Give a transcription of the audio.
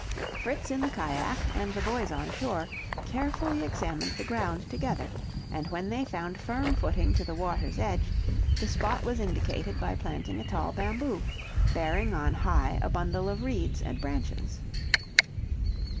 Fritz in the cajack, and the boys on shore, carefully examined the ground together; and when they found firm footing to the water's edge, the spot was indicated by planting a tall bamboo, bearing on high a bundle of reeds and branches.